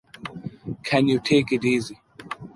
Can you take it easy?